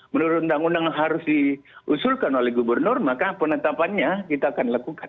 menurut undang undang yang harus diusulkan oleh gubernur maka penetapannya kita akan lakukan